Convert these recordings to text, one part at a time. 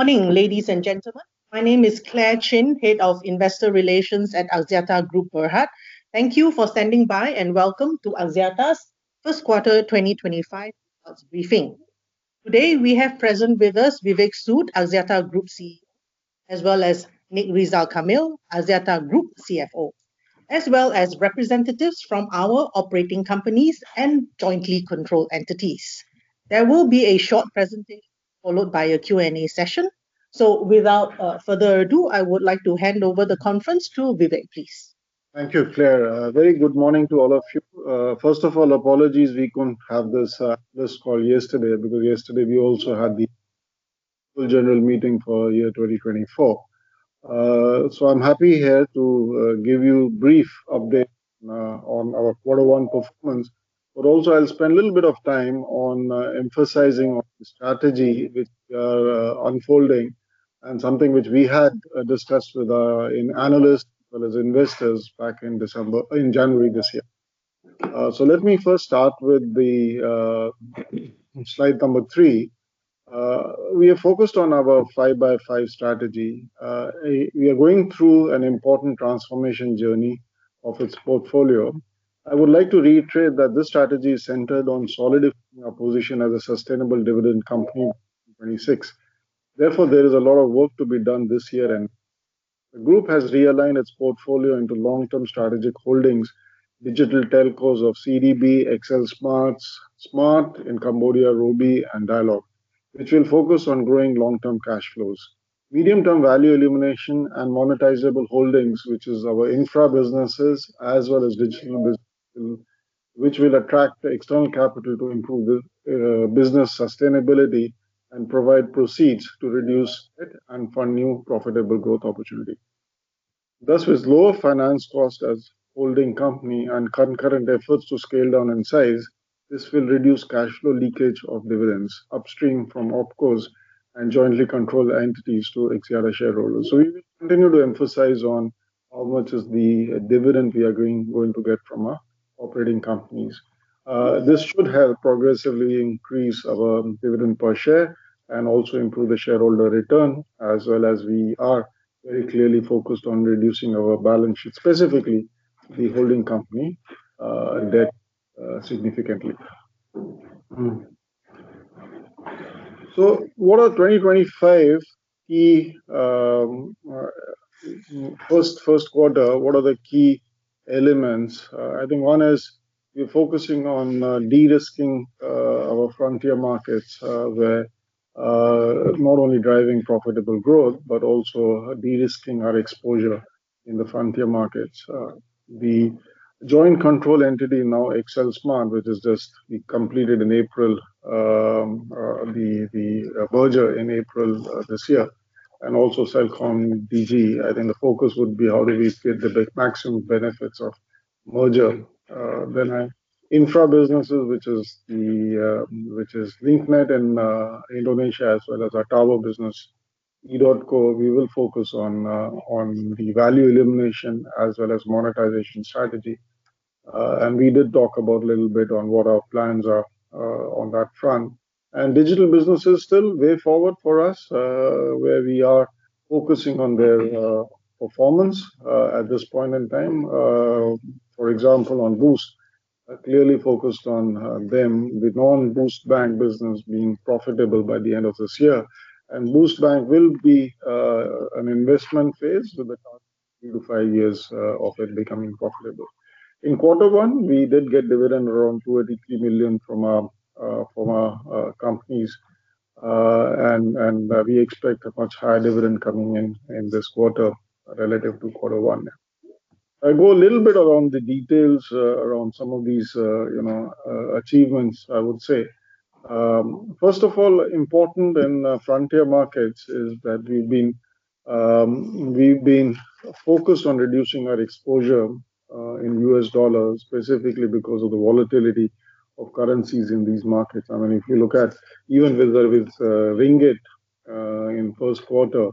Good morning, ladies and gentlemen. My name is Clare Chin, Head of Investor Relations at Axiata Group Berhad. Thank you for standing by, and welcome to Axiata's First Quarter 2025 Briefing. Today, we have present with us Vivek Sood, Axiata Group CEO, as well as Nick Rizal Kamil, Axiata Group CFO, as well as representatives from our operating companies and jointly controlled entities. There will be a short presentation followed by a Q&A session. Without further ado, I would like to hand over the conference to Vivek, please. Thank you, Clare. Very good morning to all of you. First of all, apologies we could not have this call yesterday because yesterday we also had the General Meeting for the year 2024. I am happy here to give you a brief update on our quarter one performance, but also I will spend a little bit of time on emphasizing the strategy which we are unfolding and something which we had discussed with our analysts as well as investors back in January this year. Let me first start with slide number three. We have focused on our 5x5 strategy. We are going through an important transformation journey of its portfolio. I would like to reiterate that this strategy is centered on solidifying our position as a sustainable dividend company in 2026. Therefore, there is a lot of work to be done this year, and the group has realigned its portfolio into long-term strategic holdings: digital telcos of CDB, XLSMART, Smart in Cambodia, Robi, and Dialog, which will focus on growing long-term cash flows, medium-term value elimination, and monetizable holdings, which are our infra businesses, as well as digital businesses, which will attract external capital to improve business sustainability and provide proceeds to reduce debt and fund new profitable growth opportunities. Thus, with lower finance costs as a holding company and concurrent efforts to scale down in size, this will reduce cash flow leakage of dividends upstream from opcos and jointly controlled entities to Axiata shareholders. We will continue to emphasize on how much is the dividend we are going to get from our operating companies. This should help progressively increase our dividend per share and also improve the shareholder return, as well as we are very clearly focused on reducing our balance sheet, specifically the holding company debt significantly. What are 2025 key first quarter? What are the key elements? I think one is we're focusing on de-risking our frontier markets, where not only driving profitable growth, but also de-risking our exposure in the frontier markets. The joint control entity now, XLSMART, which is just we completed in April, the merger in April this year, and also CelcomDigi. I think the focus would be how do we get the maximum benefits of merger. Then infra businesses, which is Link Net in Indonesia, as well as our tower business, EDOTCO. We will focus on the value elimination as well as monetization strategy. We did talk a little bit on what our plans are on that front. Digital businesses are still the way forward for us, where we are focusing on their performance at this point in time. For example, on Boost, clearly focused on them, with non-Boost Bank business being profitable by the end of this year. Boost Bank will be in an investment phase with a 3-5 years of it becoming profitable. In quarter one, we did get dividend around 283 million from our companies, and we expect a much higher dividend coming in this quarter relative to quarter one. I go a little bit around the details around some of these achievements, I would say. First of all, important in frontier markets is that we've been focused on reducing our exposure in U.S. dollars, specifically because of the volatility of currencies in these markets. I mean, if you look at even with Ringgit in first quarter,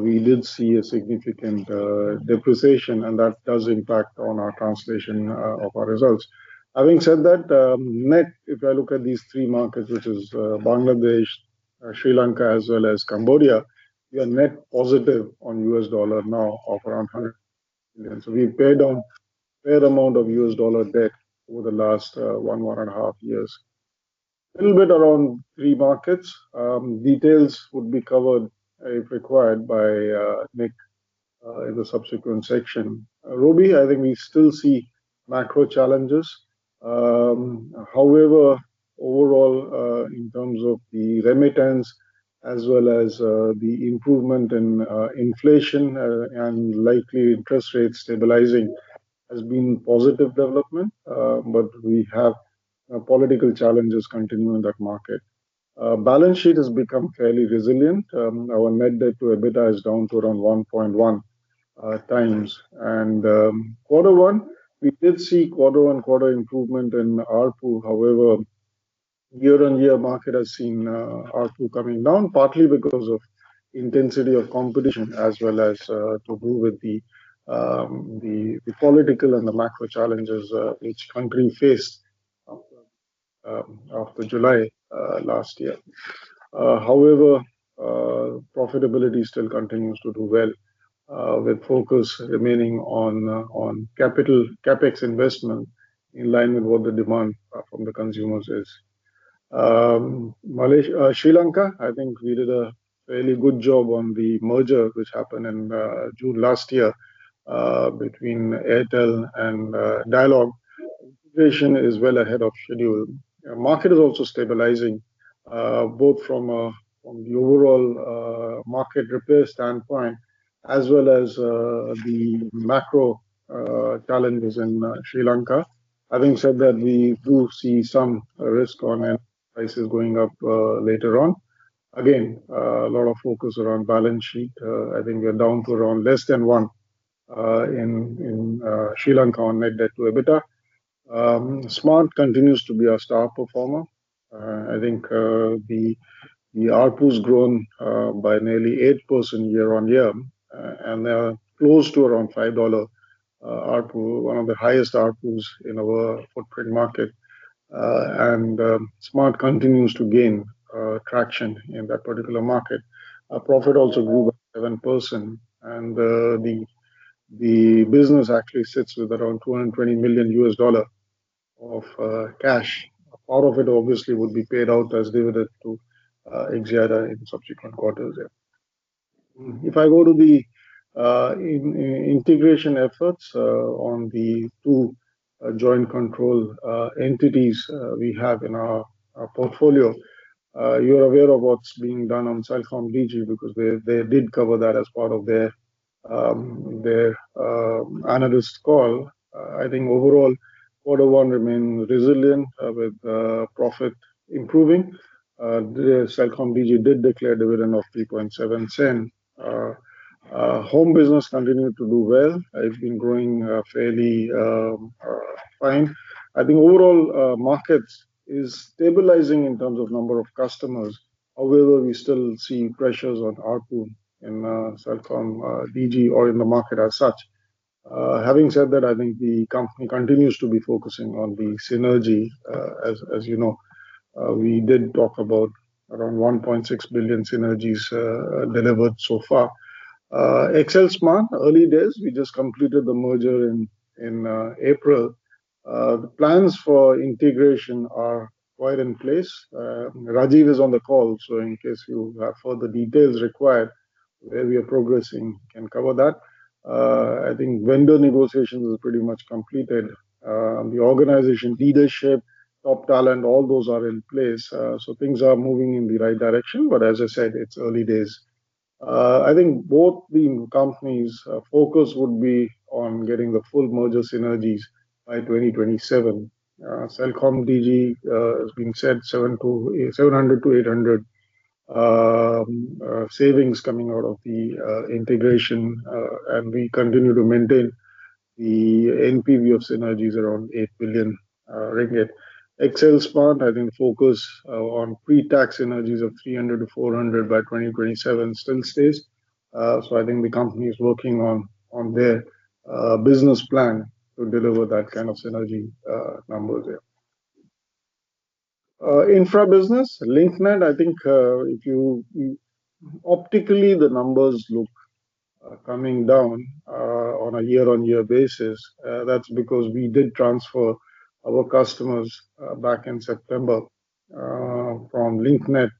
we did see a significant depreciation, and that does impact on our translation of our results. Having said that, net, if I look at these three markets, which are Bangladesh, Sri Lanka, as well as Cambodia, we are net positive on U.S. dollar now of around $100 million. So we paid down a fair amount of U.S. dollar debt over the last one, one and a half years. A little bit around three markets. Details would be covered if required by Nick in the subsequent section. Robi, I think we still see macro challenges. However, overall, in terms of the remittance, as well as the improvement in inflation and likely interest rate stabilizing, has been positive development, but we have political challenges continuing in that market. Balance sheet has become fairly resilient. Our net debt to EBITDA is down to around 1.1 times. In quarter one, we did see quarter-on-quarter improvement in ARPU. However, year-on-year, market has seen ARPU coming down, partly because of intensity of competition, as well as to do with the political and the macro challenges each country faced after July last year. However, profitability still continues to do well, with focus remaining on capital CapEx investment in line with what the demand from the consumers is. Sri Lanka, I think we did a fairly good job on the merger which happened in June last year between Airtel and Dialog. The situation is well ahead of schedule. The market is also stabilizing, both from the overall market repair standpoint, as well as the macro challenges in Sri Lanka. Having said that, we do see some risk on prices going up later on. Again, a lot of focus around balance sheet. I think we're down to around less than one in Sri Lanka on net debt to EBITDA. Smart continues to be our star performer. I think the ARPU has grown by nearly 8% year-on-year, and they are close to around $5 ARPU, one of the highest ARPUs in our footprint market. Smart continues to gain traction in that particular market. Profit also grew by 7%. The business actually sits with around $220 million of cash. Part of it, obviously, would be paid out as dividend to Axiata in subsequent quarters. If I go to the integration efforts on the two joint control entities we have in our portfolio, you're aware of what's being done on CelcomDigi because they did cover that as part of their analyst call. I think overall, quarter one remained resilient with profit improving. CelcomDigi did declare dividend of 0.037. Home business continued to do well. It's been growing fairly fine. I think overall, markets are stabilizing in terms of number of customers. However, we still see pressures on ARPU in CelcomDigi or in the market as such. Having said that, I think the company continues to be focusing on the synergy. As you know, we did talk about around 1.6 billion synergies delivered so far. XLSMART, early days, we just completed the merger in April. Plans for integration are quite in place. Rajiv is on the call, so in case you have further details required, where we are progressing, we can cover that. I think vendor negotiations are pretty much completed. The organization leadership, top talent, all those are in place. Things are moving in the right direction, but as I said, it's early days. I think both the companies' focus would be on getting the full merger synergies by 2027. CelcomDigi, as being said, 700-800 million savings coming out of the integration. We continue to maintain the NPV of synergies around 8 billion ringgit. XLSMART, I think the focus on pre-tax synergies of 300-400 million by 2027 still stays. I think the company is working on their business plan to deliver that kind of synergy numbers here. Infra business, Link Net, I think if you optically, the numbers look coming down on a year-on-year basis. That is because we did transfer our customers back in September from Link Net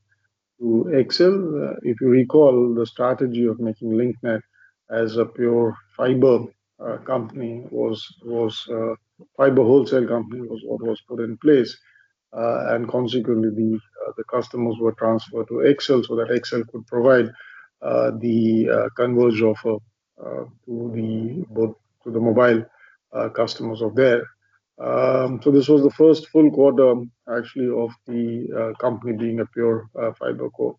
to XL. If you recall, the strategy of making Link Net as a pure fiber company, fiber wholesale company was what was put in place. Consequently, the customers were transferred to XL so that XL could provide the converged offer to the mobile customers there. This was the first full quarter, actually, of the company being a pure fiber core.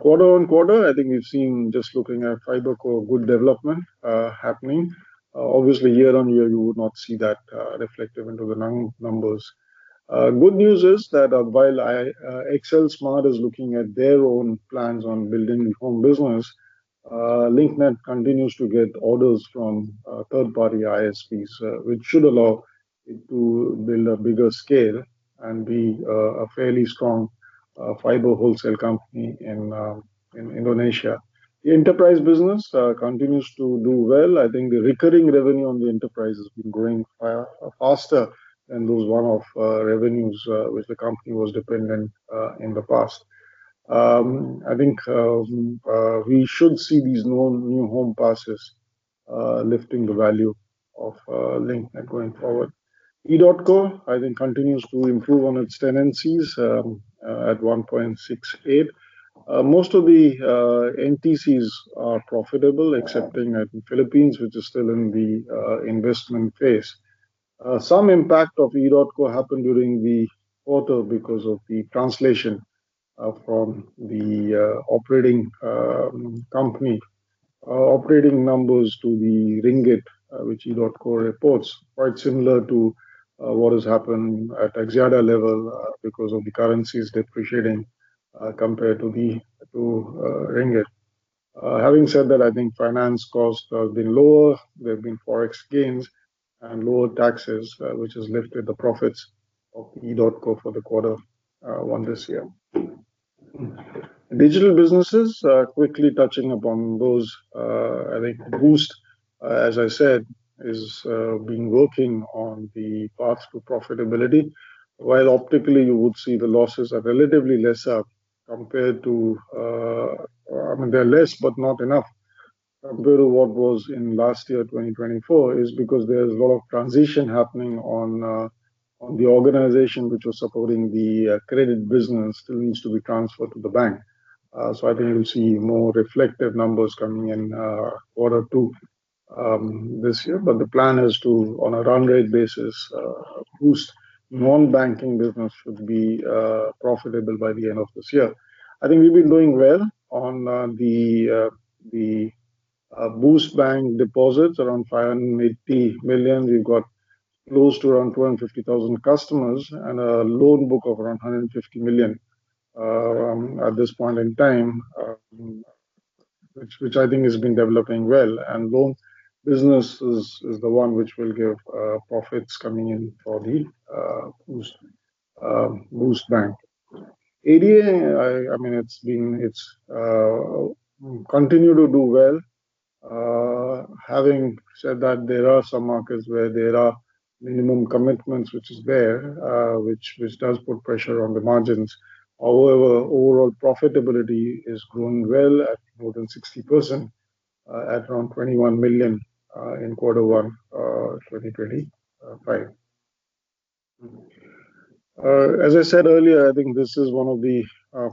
Quarter on quarter, I think we've seen, just looking at fiber core, good development happening. Obviously, year-on-year, you would not see that reflected in the numbers. Good news is that while XLSMART is looking at their own plans on building the home business, Link Net continues to get orders from third-party ISPs, which should allow it to build a bigger scale and be a fairly strong fiber wholesale company in Indonesia. The enterprise business continues to do well. I think the recurring revenue on the enterprise has been growing faster than those one-off revenues which the company was dependent on in the past. I think we should see these new home passes lifting the value of Link Net going forward. EDOTCO, I think, continues to improve on its tenancies at 1.68. Most of the NTCs are profitable, excepting in the Philippines, which is still in the investment phase. Some impact of EDOTCO happened during the quarter because of the translation from the operating company operating numbers to the Ringgit, which EDOTCO reports quite similar to what has happened at Axiata level because of the currencies depreciating compared to the Ringgit. Having said that, I think finance costs have been lower. There have been forex gains and lower taxes, which has lifted the profits of EDOTCO for the quarter one this year. Digital businesses, quickly touching upon those, I think Boost, as I said, is being working on the path to profitability. While optically, you would see the losses are relatively lesser compared to, I mean, they're less, but not enough compared to what was in last year, 2024, is because there's a lot of transition happening on the organization which was supporting the credit business still needs to be transferred to the bank. I think we'll see more reflective numbers coming in quarter two this year. The plan is to, on a run rate basis, Boost non-banking business should be profitable by the end of this year. I think we've been doing well on the Boost Bank deposits, around 580 million. We've got close to around 250,000 customers and a loan book of around 150 million at this point in time, which I think has been developing well. Loan business is the one which will give profits coming in for the Boost Bank. Erie, I mean, it's continued to do well. Having said that, there are some markets where there are minimum commitments, which is there, which does put pressure on the margins. However, overall profitability is growing well at more than 60% at around 21 million in quarter one 2025. As I said earlier, I think this is one of the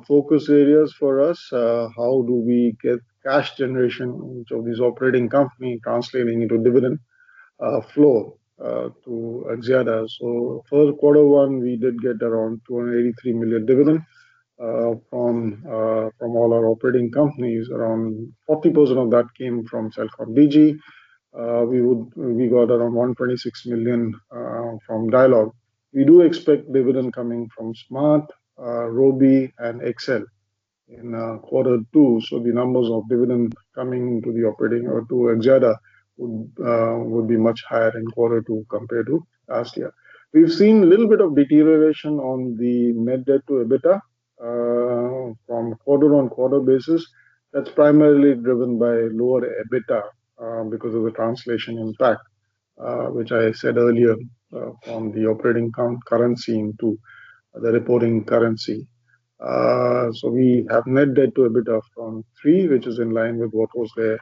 focus areas for us. How do we get cash generation which of these operating company translating into dividend flow to Axiata? For quarter one, we did get around 283 million dividend from all our operating companies. Around 40% of that came from CelcomDigi. We got around 126 million from Dialog. We do expect dividend coming from Smart, Robi, and XL in quarter two. The numbers of dividend coming to the operating or to Axiata would be much higher in quarter two compared to last year. We've seen a little bit of deterioration on the net debt to EBITDA from quarter-on-quarter basis. That's primarily driven by lower EBITDA because of the translation impact, which I said earlier from the operating currency into the reporting currency. So we have net debt to EBITDA from three, which is in line with what was there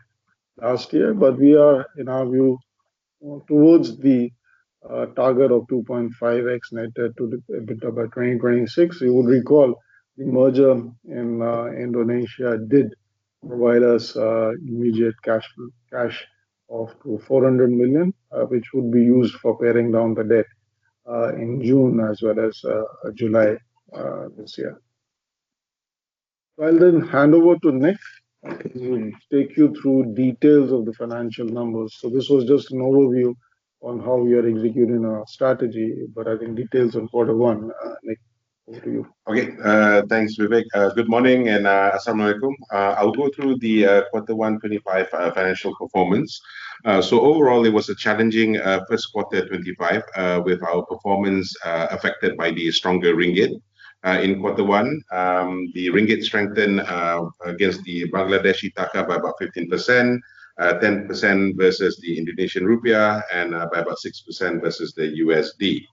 last year. We are, in our view, towards the target of 2.5x net debt to EBITDA by 2026. You would recall the merger in Indonesia did provide us immediate cash of 400 million, which would be used for paring down the debt in June as well as July this year. I'll then hand over to Nick to take you through details of the financial numbers. This was just an overview on how we are executing our strategy. I think details on quarter one, Nick, over to you. Okay. Thanks, Vivek. Good morning and Assalamualaikum. I'll go through the quarter one 2025 financial performance. Overall, it was a challenging first quarter 2025 with our performance affected by the stronger Ringgit. In quarter one, the Ringgit strengthened against the Bangladeshi Taka by about 15%, 10% versus the Indonesian Rupiah, and by about 6% versus the USD.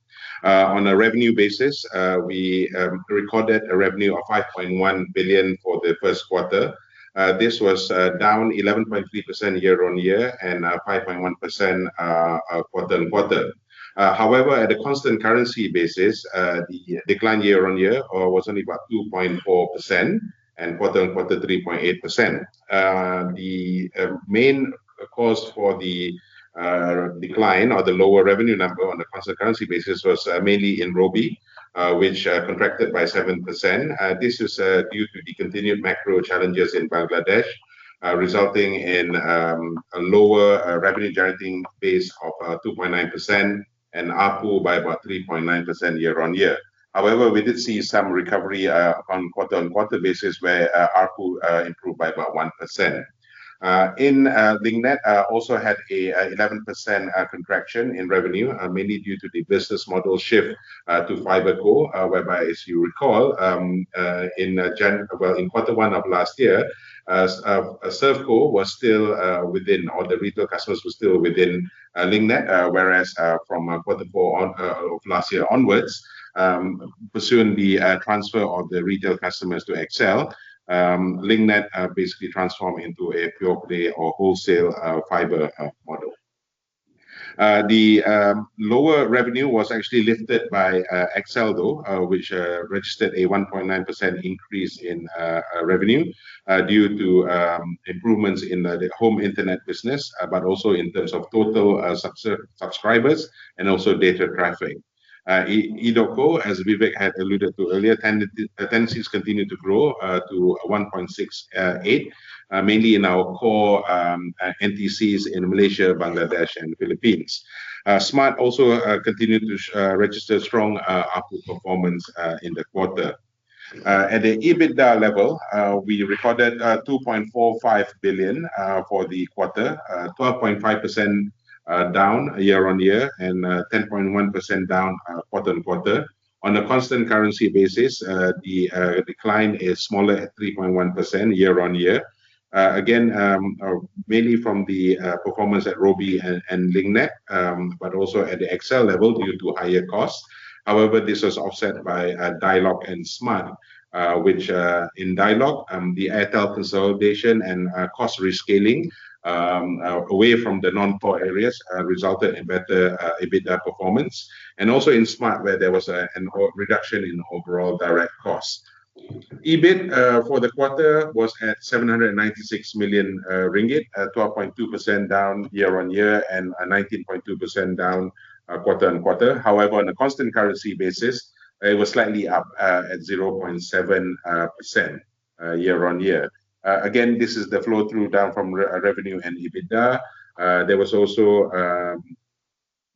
On a revenue basis, we recorded a revenue of 5.1 billion for the first quarter. This was down 11.3% year-on-year and 5.1% quarter-on-quarter. However, at a constant currency basis, the decline year-on-year was only about 2.4% and quarter-on-quarter 3.8%. The main cause for the decline or the lower revenue number on a constant currency basis was mainly in Robi, which contracted by 7%. This is due to the continued macro challenges in Bangladesh, resulting in a lower revenue generating base of 2.9% and ARPU by about 3.9% year-on-year. However, we did see some recovery on quarter on quarter basis where ARPU improved by about 1%. In Link Net, I also had an 11% contraction in revenue, mainly due to the business model shift to FibreCo, whereby, as you recall, in quarter one of last year, ServeCo was still within or the retail customers were still within Link Net, whereas from quarter four of last year onwards, pursuing the transfer of the retail customers to XL, Link Net basically transformed into a pure play or wholesale fiber model. The lower revenue was actually lifted by XL, though, which registered a 1.9% increase in revenue due to improvements in the home internet business, but also in terms of total subscribers and also data traffic. EDOTCO, as Vivek had alluded to earlier, tendencies continue to grow to 1.68, mainly in our core NTCs in Malaysia, Bangladesh, and Philippines. Smart also continued to register strong ARPU performance in the quarter. At the EBITDA level, we recorded 2.45 billion for the quarter, 12.5% down year-on-year and 10.1% down quarter on quarter. On a constant currency basis, the decline is smaller at 3.1% year-on-year. Again, mainly from the performance at Robi and Link Net, but also at the XL level due to higher costs. However, this was offset by Dialog and Smart, which in Dialog, the Airtel consolidation and cost rescaling away from the non-core areas resulted in better EBITDA performance. Also in Smart, where there was a reduction in overall direct costs. EBIT for the quarter was at 796 million ringgit, 12.2% down year-on-year and 19.2% down quarter-on-quarter. However, on a constant currency basis, it was slightly up at 0.7% year-on-year. Again, this is the flow through down from revenue and EBITDA. There was also,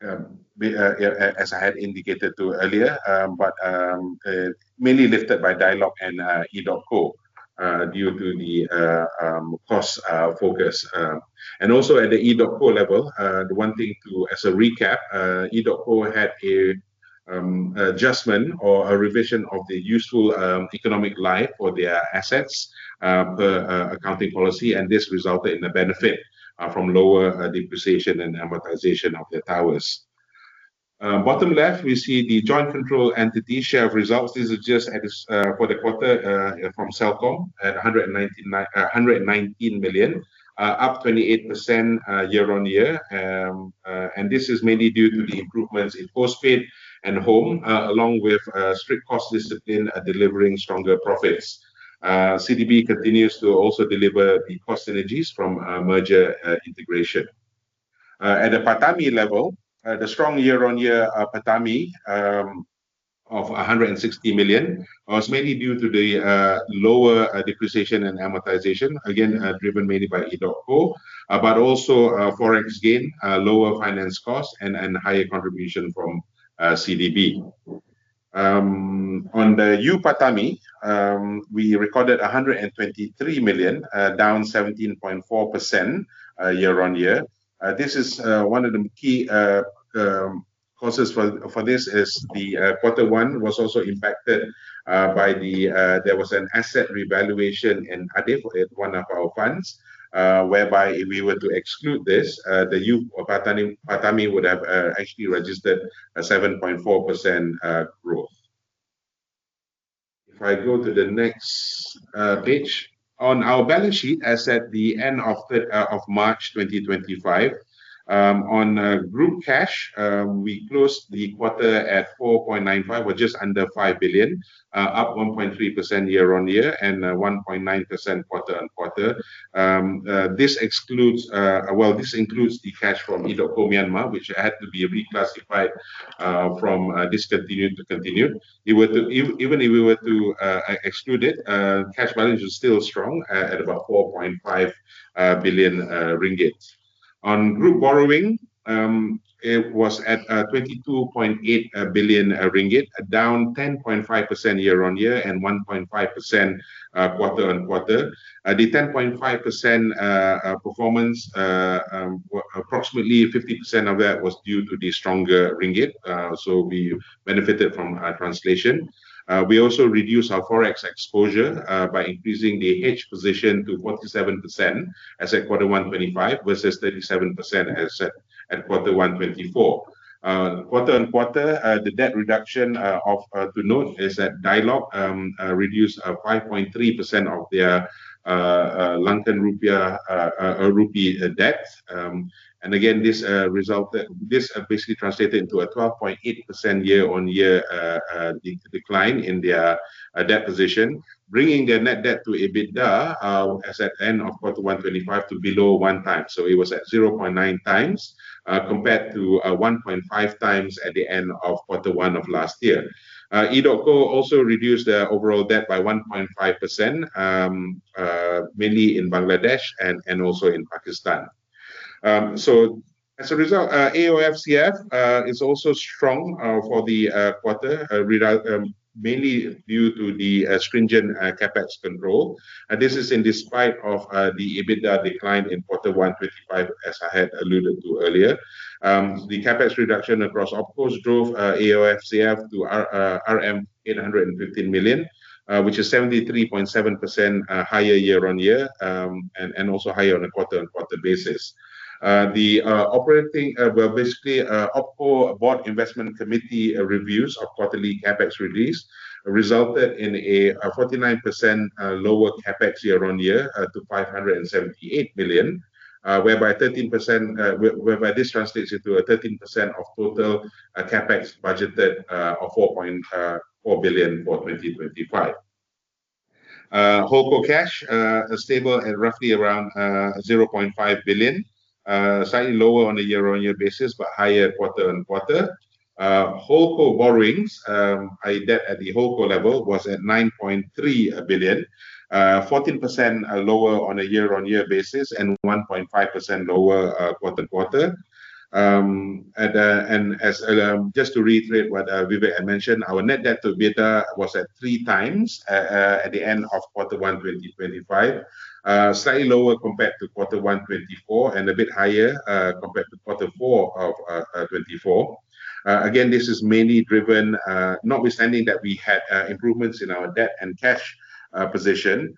as I had indicated to earlier, but mainly lifted by Dialog and EDOTCO due to the cost focus. Also at the EDOTCO level, the one thing to, as a recap, EDOTCO had an adjustment or a revision of the useful economic life for their assets per accounting policy. This resulted in a benefit from lower depreciation and amortization of their towers. Bottom left, we see the joint control entity share of results. This is just at. For the quarter from Celcom at MYR 119 million, up 28% year-on-year. This is mainly due to the improvements in postpaid and home, along with strict cost discipline delivering stronger profits. CDB continues to also deliver the cost synergies from merger integration. At the PATAMI level, the strong year-on-year PATAMI of 160 million was mainly due to the lower depreciation and amortization, again driven mainly by EDOTCO, but also forex gain, lower finance costs, and higher contribution from CDB. On the UPATAMI, we recorded 123 million, down 17.4% year-on-year. One of the key causes for this is quarter one was also impacted by the there was an asset revaluation in ADIF at one of our funds, whereby if we were to exclude this, the UPATAMI would have actually registered a 7.4% growth. If I go to the next page, on our balance sheet, as at the end of March 2025, on group cash, we closed the quarter at 4.95 billion, which is under 5 billion, up 1.3% year-on-year and 1.9% quarter-on-quarter. This excludes, well, this includes the cash from EDOTCO Myanmar, which had to be reclassified from discontinued to continued. Even if we were to exclude it, cash balance is still strong at about 4.5 billion ringgit. On group borrowing, it was at 22.8 billion ringgit, down 10.5% year-on-year and 1.5% quarter-on-quarter. The 10.5% performance, approximately 50% of that was due to the stronger Ringgit. So we benefited from translation. We also reduced our forex exposure by increasing the hedge position to 47% as at quarter 125 versus 37% as at quarter 124. Quarter on quarter, the debt reduction to note is that Dialog reduced 5.3% of their Sri Lankan Rupee debt. Again, this basically translated into a 12.8% year on year decline in their debt position, bringing their net debt to EBITDA as at end of quarter 125 to below one time. It was at 0.9 times compared to 1.5 times at the end of quarter one of last year. edotco also reduced their overall debt by 1.5%, mainly in Bangladesh and also in Pakistan. As a result, AOFCF is also strong for the quarter, mainly due to the stringent CapEx control. This is in despite of the EBITDA decline in quarter 125, as I had alluded to earlier. The CapEx reduction across OPCOs drove AOFCF to MYR 815 million, which is 73.7% higher year-on-year and also higher on a quarter on quarter basis. The operating, well, basically OPCO Board Investment Committee reviews of quarterly CapEx release resulted in a 49% lower CapEx year-on-year to 578 million, whereby this translates into a 13% of total CapEx budgeted of 4.4 billion for 2025. HoldCo cash, stable at roughly around 0.5 billion, slightly lower on a year-on-year basis, but higher quarter-on-quarter. HoldCo borrowings, debt at the HoldCo level was at 9.3 billion, 14% lower on a year-on-year basis and 1.5% lower quarter-on-quarter. Just to reiterate what Vivek had mentioned, our net debt to EBITDA was at three times at the end of quarter one 2025, slightly lower compared to quarter one 2024 and a bit higher compared to quarter four of 2024. This is mainly driven notwithstanding that we had improvements in our debt and cash position.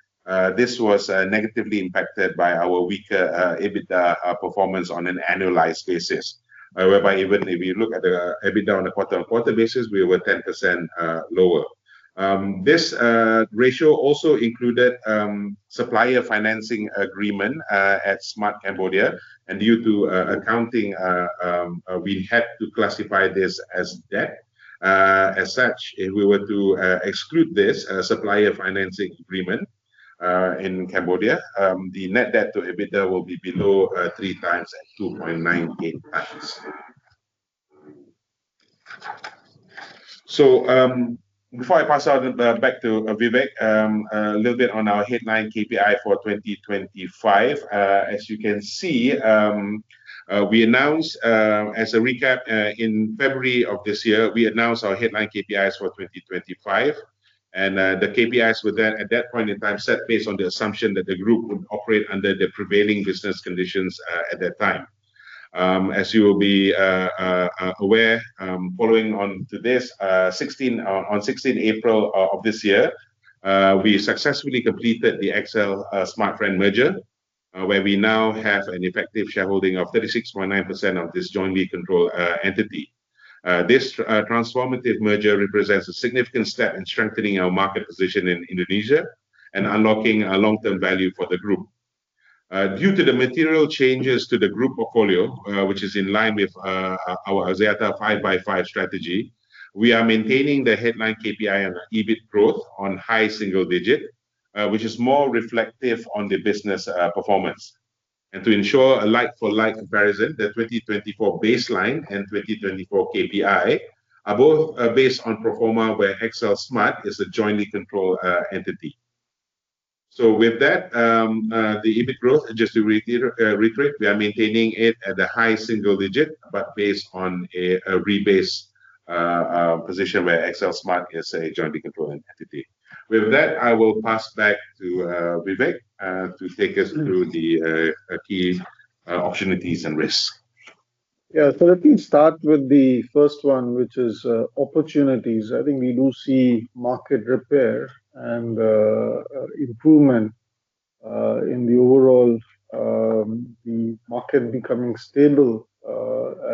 This was negatively impacted by our weaker EBITDA performance on an annualized basis, whereby even if you look at the EBITDA on a quarter-on-quarter basis, we were 10% lower. This ratio also included supplier financing agreement at Smart Cambodia. Due to accounting, we had to classify this as debt. As such, if we were to exclude this supplier financing agreement in Cambodia, the net debt to EBITDA will be below three times at 2.98 times. Before I pass on back to Vivek, a little bit on our headline KPI for 2025. As you can see, we announced as a recap in February of this year, we announced our headline KPIs for 2025. The KPIs were then at that point in time set based on the assumption that the group would operate under the prevailing business conditions at that time. As you will be aware, following on to this, on 16 April of this year, we successfully completed the XL Smartfren merger, where we now have an effective shareholding of 36.9% of this jointly controlled entity. This transformative merger represents a significant step in strengthening our market position in Indonesia and unlocking long-term value for the group. Due to the material changes to the group portfolio, which is in line with our Axiata 5x5 strategy, we are maintaining the headline KPI on EBIT growth on high single digit, which is more reflective of the business performance. To ensure a like-for-like comparison, the 2024 baseline and 2024 KPI are both based on Proforma, where XLSMART is a jointly controlled entity. With that, the EBIT growth, just to reiterate, we are maintaining it at the high single digit, but based on a rebase position where XLSMART is a jointly controlled entity. With that, I will pass back to Vivek to take us through the key opportunities and risks. Yeah, let me start with the first one, which is opportunities. I think we do see market repair and improvement in the overall, the market becoming stable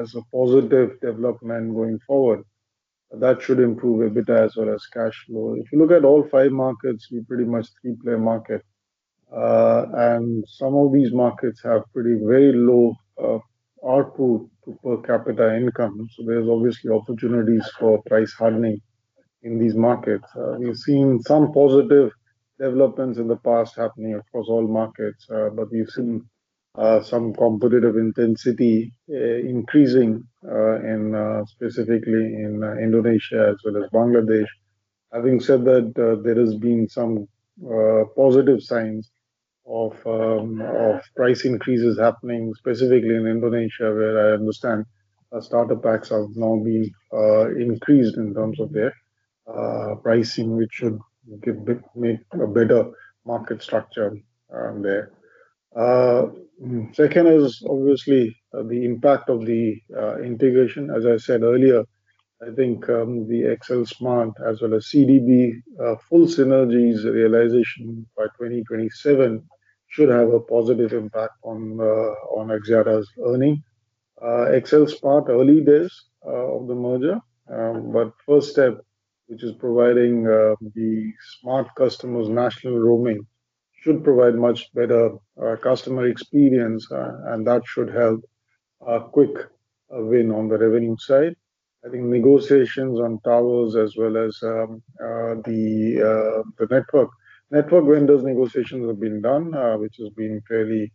as a positive development going forward. That should improve EBITDA as well as cash flow. If you look at all five markets, we're pretty much a three-player market. And some of these markets have pretty very low ARPU to per capita income. So there's obviously opportunities for price hardening in these markets. We've seen some positive developments in the past happening across all markets, but we've seen some competitive intensity increasing specifically in Indonesia as well as Bangladesh. Having said that, there has been some positive signs of price increases happening specifically in Indonesia, where I understand starter packs have now been increased in terms of their pricing, which should make a better market structure there. Second is obviously the impact of the integration. As I said earlier, I think the XLSMART as well as CDB full synergies realization by 2027 should have a positive impact on Axiata's earning. XLSMART, early days of the merger, but first step, which is providing the Smart customers' national roaming, should provide much better customer experience. That should help a quick win on the revenue side. I think negotiations on towers as well as the network vendors negotiations have been done, which has been fairly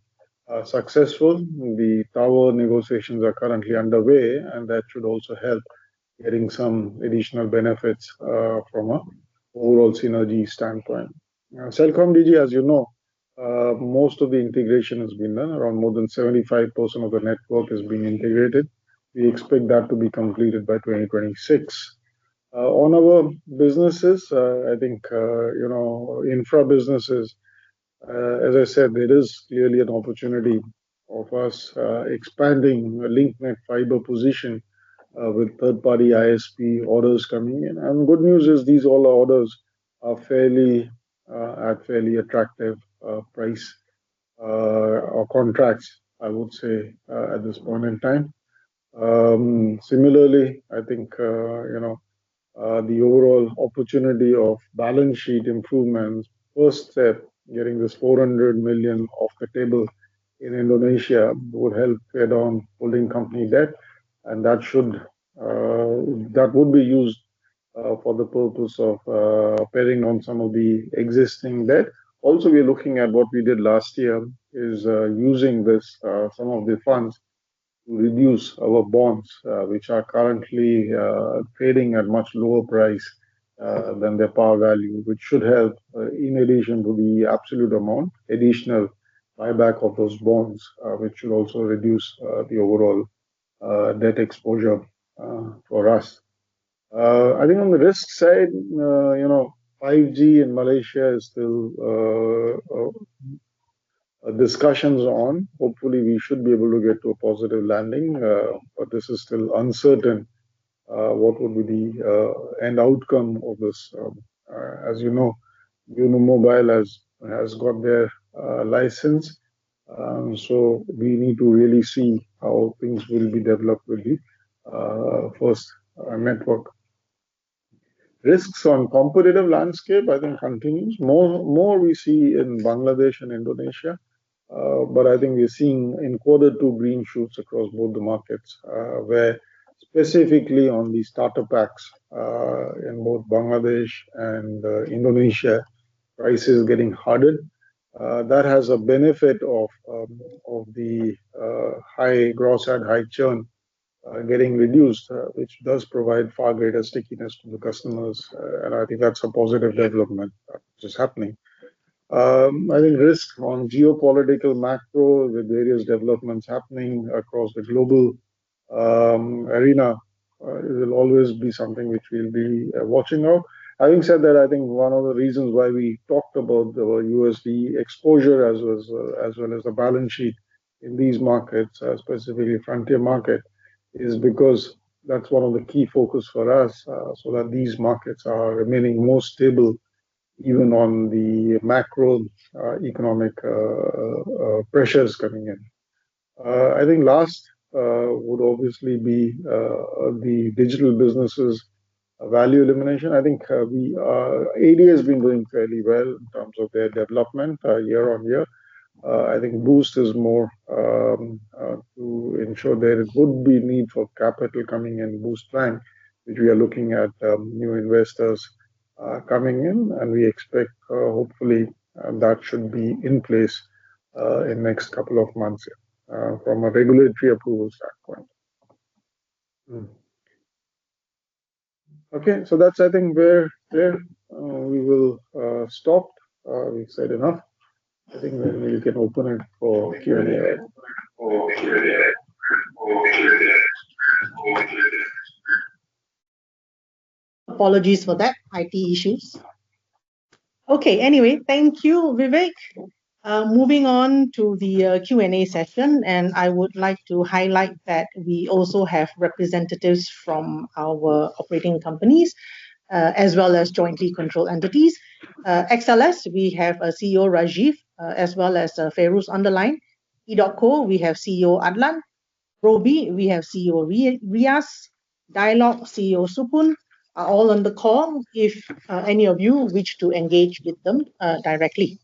successful. The tower negotiations are currently underway, and that should also help getting some additional benefits from an overall synergy standpoint. CelcomDigi, as you know, most of the integration has been done. Around more than 75% of the network has been integrated. We expect that to be completed by 2026. On our businesses, I think infra businesses, as I said, there is clearly an opportunity of us expanding Link Net fiber position with third-party ISP orders coming in. Good news is these all orders are at fairly attractive price or contracts, I would say, at this point in time. Similarly, I think the overall opportunity of balance sheet improvements, first step, getting this 400 million off the table in Indonesia would help add on holding company debt. That would be used for the purpose of paring on some of the existing debt. Also, we are looking at what we did last year is using some of the funds to reduce our bonds, which are currently trading at much lower price than their par value, which should help in addition to the absolute amount, additional buyback of those bonds, which should also reduce the overall debt exposure for us. I think on the risk side, 5G in Malaysia is still discussions on. Hopefully, we should be able to get to a positive landing, but this is still uncertain what would be the end outcome of this. As you know, Unimobile has got their license. So we need to really see how things will be developed with the first network. Risks on competitive landscape, I think continues. More we see in Bangladesh and Indonesia, but I think we're seeing in quarter two green shoots across both the markets, where specifically on the startup packs in both Bangladesh and Indonesia, prices getting hardened. That has a benefit of the high gross ad high churn getting reduced, which does provide far greater stickiness to the customers. I think that's a positive development which is happening. I think risk on geopolitical macro with various developments happening across the global arena will always be something which we'll be watching out. Having said that, I think one of the reasons why we talked about the USD exposure as well as the balance sheet in these markets, specifically frontier market, is because that's one of the key focus for us so that these markets are remaining most stable even on the macro economic pressures coming in. I think last would obviously be the digital businesses value elimination. I think AD has been doing fairly well in terms of their development year on year. I think Boost is more to ensure there would be need for capital coming in Boost plan, which we are looking at new investors coming in. We expect hopefully that should be in place in next couple of months from a regulatory approval standpoint. Okay, so that's I think where we will stop. We've said enough. I think we can open it for Q&A. Apologies for that IT issues. Okay, anyway, thank you, Vivek. Moving on to the Q&A session, and I would like to highlight that we also have representatives from our operating companies as well as jointly controlled entities. XLS, we have CEO Rajeev as well as Feiruz on the line. EDOTCO, we have CEO Adlan. Robi, we have CEO Riyaaz. Dialog, CEO Supun are all on the call if any of you wish to engage with them directly.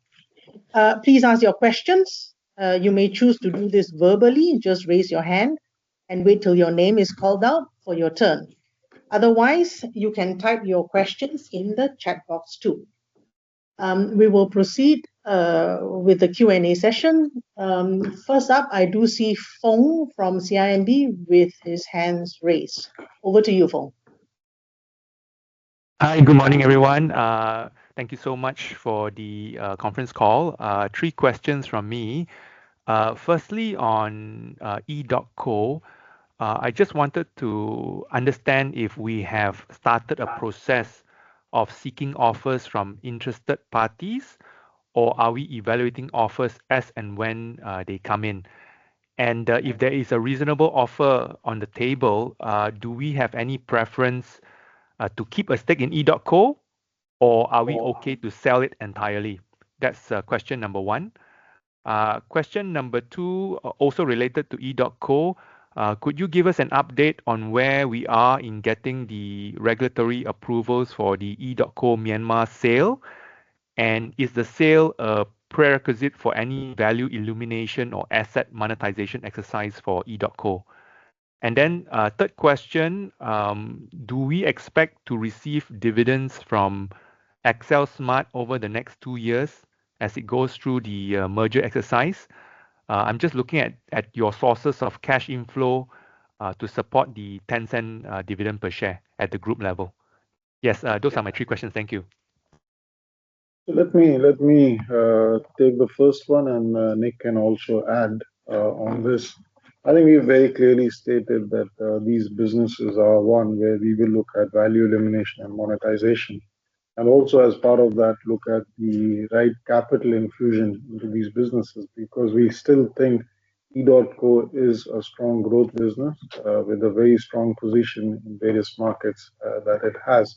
Please ask your questions. You may choose to do this verbally, just raise your hand and wait till your name is called out for your turn. Otherwise, you can type your questions in the chat box too. We will proceed with the Q&A session. First up, I do see Phong from CIMB with his hands raised. Over to you, Phong. Hi, good morning everyone. Thank you so much for the conference call. Three questions from me. Firstly, on EDOTCO, I just wanted to understand if we have started a process of seeking offers from interested parties, or are we evaluating offers as and when they come in? If there is a reasonable offer on the table, do we have any preference to keep a stake in EDOTCO, or are we okay to sell it entirely? That is question number one. Question number two, also related to EDOTCO, could you give us an update on where we are in getting the regulatory approvals for the EDOTCO Myanmar sale? Is the sale a prerequisite for any value elimination or asset monetization exercise for EDOTCO? Then third question, do we expect to receive dividends from XLSMART over the next two years as it goes through the merger exercise? I'm just looking at your sources of cash inflow to support the MYR 0.10 dividend per share at the group level. Yes, those are my three questions. Thank you. Let me take the first one, and Nick can also add on this. I think we've very clearly stated that these businesses are ones where we will look at value elimination and monetization. Also as part of that, look at the right capital infusion into these businesses because we still think EDOTCO is a strong growth business with a very strong position in various markets that it has.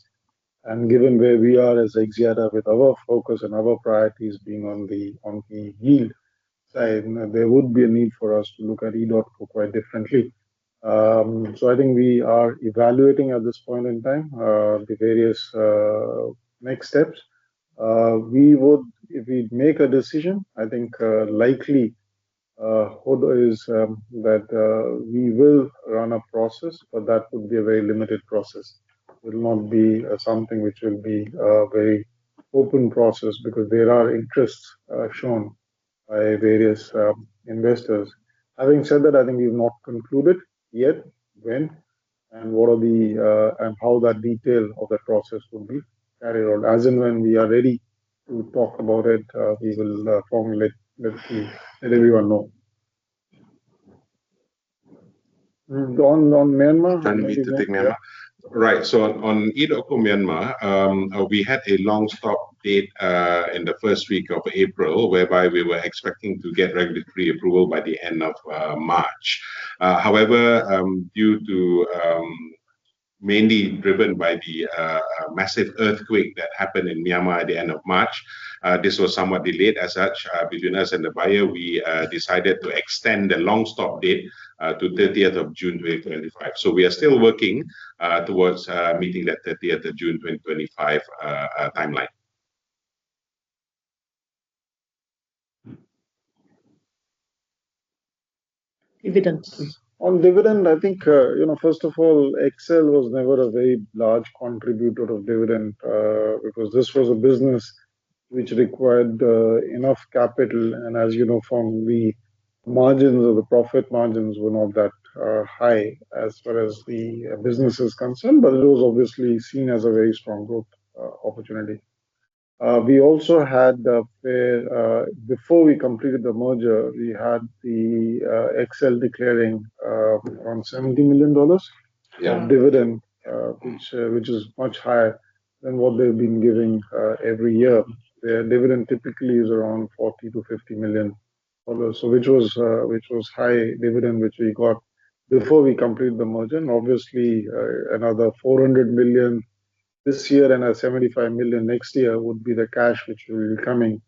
Given where we are as Axiata with our focus and our priorities being on the yield side, there would be a need for us to look at EDOTCO quite differently. I think we are evaluating at this point in time the various next steps. If we make a decision, I think likely that we will run a process, but that would be a very limited process. It will not be something which will be a very open process because there are interests shown by various investors. Having said that, I think we've not concluded yet when and what are the and how that detail of that process will be carried out. As and when we are ready to talk about it, we will formally let everyone know. On Myanmar. I need to take Myanmar. Right, so on EDOTCO Myanmar, we had a long stop date in the first week of April, whereby we were expecting to get regulatory approval by the end of March. However, due to mainly driven by the massive earthquake that happened in Myanmar at the end of March, this was somewhat delayed. As such, between us and the buyer, we decided to extend the long stop date to 30th of June 2025. We are still working towards meeting that 30th of June 2025 timeline. Dividend. On dividend, I think first of all, XL was never a very large contributor of dividend because this was a business which required enough capital. As you know, Phong, the profit margins were not that high as far as the business is concerned, but it was obviously seen as a very strong growth opportunity. We also had a fair before we completed the merger, we had the XL declaring around $70 million dividend, which is much higher than what they've been giving every year. Their dividend typically is around $40-$50 million, which was high dividend which we got before we completed the merger. Obviously, another $400 million this year and a $75 million next year would be the cash which will be coming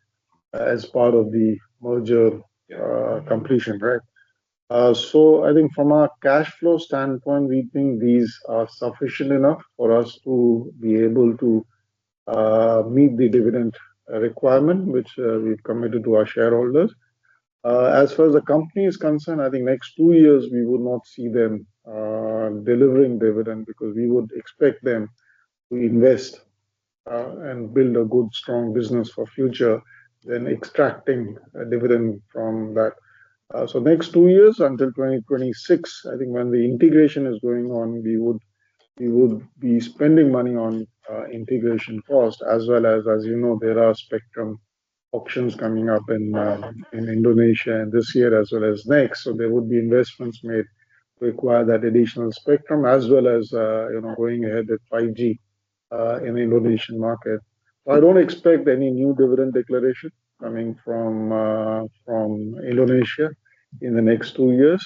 as part of the merger completion, right? I think from a cash flow standpoint, we think these are sufficient enough for us to be able to meet the dividend requirement which we've committed to our shareholders. As far as the company is concerned, I think next two years we would not see them delivering dividend because we would expect them to invest and build a good strong business for future than extracting dividend from that. Next two years until 2026, I think when the integration is going on, we would be spending money on integration cost as well as, as you know, there are spectrum options coming up in Indonesia this year as well as next. There would be investments made to require that additional spectrum as well as going ahead with 5G in the Indonesian market. I do not expect any new dividend declaration coming from Indonesia in the next two years.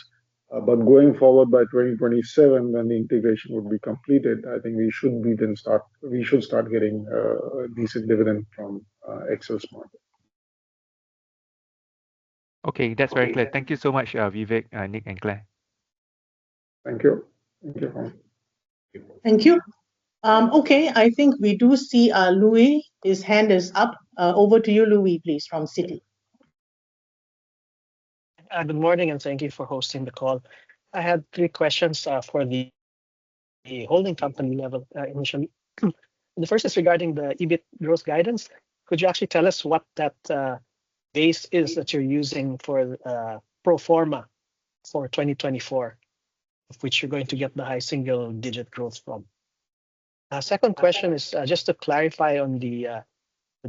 Going forward by 2027, when the integration would be completed, I think we should start getting decent dividend from XLSMART. Okay, that is very clear. Thank you so much, Vivek, Nick, and Clare. Thank you. Thank you, Phong. Thank you. Okay, I think we do see Louis's hand is up. Over to you, Louis, please, from Citi. Good morning and thank you for hosting the call. I had three questions for the holding company level initially. The first is regarding the EBIT growth guidance. Could you actually tell us what that base is that you're using for Proforma for 2024, which you're going to get the high single-digit growth from? Second question is just to clarify on the